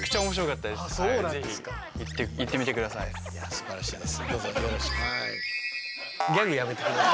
すばらしいです。